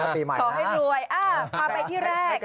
พาไปที่แรก